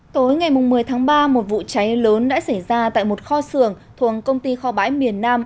tối ngày một mươi tháng ba một vụ cháy lớn đã xảy ra tại một kho xưởng thuộc công ty kho bãi miền nam